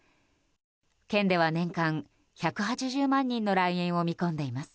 県では年間１８０万人の来園を見込んでいます。